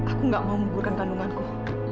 aku enggak mau gugurkan kandunganku